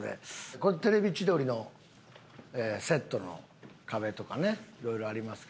こういう『テレビ千鳥』のセットの壁とかねいろいろありますけど。